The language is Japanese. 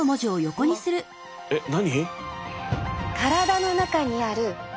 えっ何？